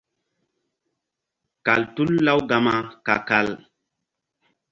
Kal tul Lawgama ka-kal.